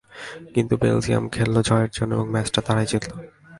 কিন্তু বেলজিয়াম খেলল জয়ের জন্য এবং ম্যাচটা তারাই জিতল।